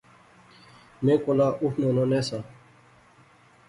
میں کولا اٹھنونا نہسا